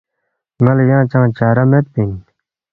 ن٘ا لہ ینگ چنگ چارہ میدپی اِن